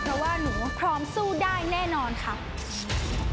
เพราะว่าหนูพร้อมสู้ได้แน่นอนค่ะ